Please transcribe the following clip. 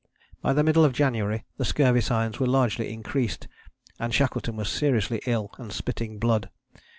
By the middle of January the scurvy signs were largely increased and Shackleton was seriously ill and spitting blood.